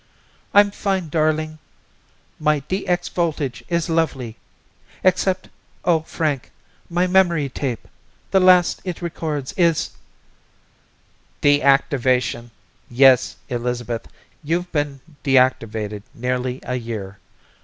"I'm fine, darling. My DX voltage is lovely except oh, Frank my memory tape the last it records is " "Deactivation. Yes, Elizabeth. You've been deactivated nearly a year.